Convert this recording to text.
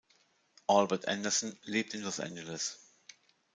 Albert Anderson lebt in Los Angeles.